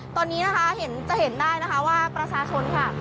ตอนนี้นะคะเห็นจะเห็นได้นะคะว่าประชาชนค่ะ